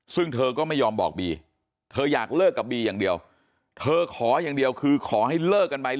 ซึ่งเธอก็ไม่ยอมบอกบีเธออยากเลิกกับบีอย่างเดียวเธอขออย่างเดียวคือขอให้เลิกกันไป